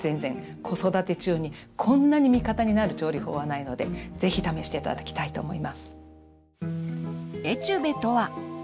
子育て中にこんなに味方になる調理法はないのでぜひ試して頂きたいと思います。